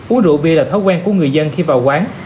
uống rượu bia là thói quen của người dân khi vào quán